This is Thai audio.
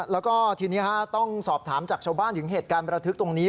แล้วก็ทีนี้ต้องสอบถามจากชาวบ้านถึงเหตุการณ์ประทึกตรงนี้